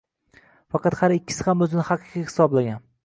faqat har ikkisi ham o'zini haqiqiy hisoblagan